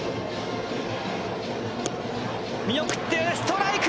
見送って、ストライク！